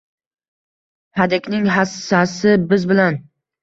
Hadikning hassasi biz bilan